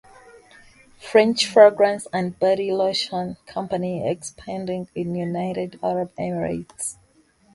French Fragrance and body lotion company expending in United Arab Emirates.